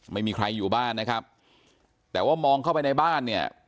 ไม่มีใครอยู่บ้านนะครับแต่ว่ามองเข้าไปในบ้านเนี่ย